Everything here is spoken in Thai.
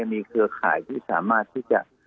มีเครือข่ายที่สามารถที่จะ